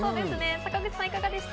坂口さん、いかがでした？